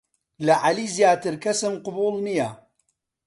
لە عەلی زیاتر کەسم قەبووڵ نییە.